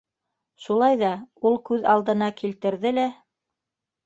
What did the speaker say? Шулай ҙа ул күҙ алдына килтерҙе лә: